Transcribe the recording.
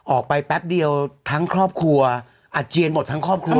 แป๊บเดียวทั้งครอบครัวอาเจียนหมดทั้งครอบครัว